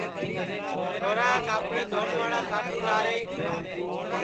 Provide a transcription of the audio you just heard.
چھورا کاپڑے دھونواڑا ساٻو لارے